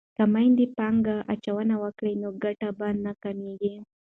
که میندې پانګه اچونه وکړي نو ګټه به نه کمیږي.